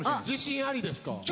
自信ありですか？